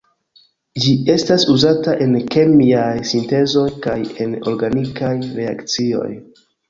Ĝi estas uzata en kemiaj sintezoj kaj en organikaj reakcioj.